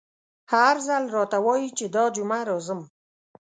هر ځل راته وايي چې دا جمعه راځم….